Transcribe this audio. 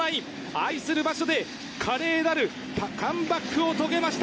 愛する場所で華麗なるカムバックを遂げました。